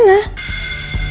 aku harus gimana